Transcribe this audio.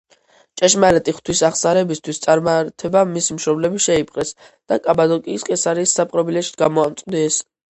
ჭეშმარიტი ღვთის აღსარებისთვის წარმართებმა მისი მშობლები შეიპყრეს და კაბადოკიის კესარიის საპყრობილეში გამოამწყვდიეს.